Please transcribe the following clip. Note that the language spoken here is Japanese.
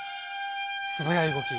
素早い動き。